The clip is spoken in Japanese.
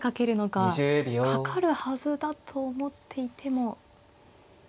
かかるはずだと思っていても。